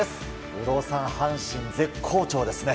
有働さん、阪神絶好調ですね。